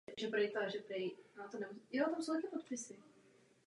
Jako stranický "sekretariát" získala mezi místním obyvatelstvem přezdívku "Sekret".